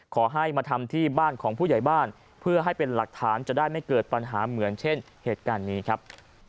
ขอให้มาทำที่บ้านของผู้ใหญ่บ้านเพื่อให้เป็นหลักฐานจะได้ไม่เกิดปัญหาเหมือนเช่นเหตุการณ์นี้ครับ